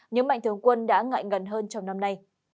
những mạnh thường quân đã ngại gần hơn trong năm nay